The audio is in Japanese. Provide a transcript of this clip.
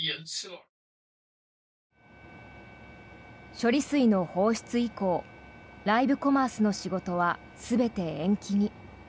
処理水の放出以降ライブコマースの仕事は全て延期に。